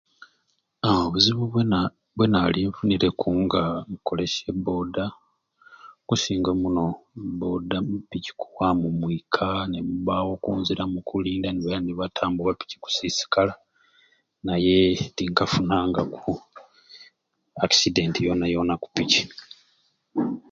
Haaa obuzibu bwe na bwenali nfunireku nga nkukolesya e booda okusinga omuno booda piki kuwamu mwika nemuba awo oku nzira mukulinda nemira nibatamba piki kusisikala naye tinkafunanku accident yona yona ku piki